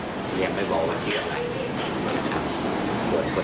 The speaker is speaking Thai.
เนี่ยไม่บอกว่าที่อะไรนะครับ